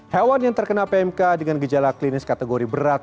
hewan yang terkena pmk dengan gejala klinis kategori berat